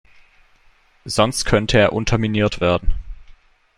Sonst könnte er unterminiert werden.